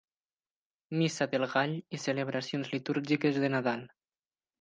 Missa del Gall i celebracions litúrgiques de Nadal.